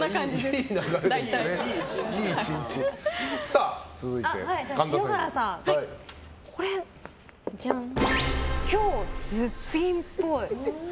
いい流れですね、いい１日。続いて、神田さん。今日、すっぴんっぽい。